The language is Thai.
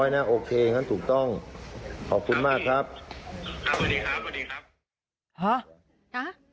ได้ห้าร้อยนะโอเคฉะนั้นถูกต้องขอบคุณมากครับฮัลโหลสวัสดีครับสวัสดีครับ